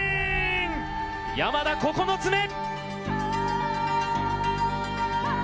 山田９つ目！